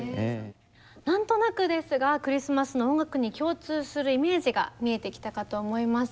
何となくですがクリスマスの音楽に共通するイメージが見えてきたかと思います。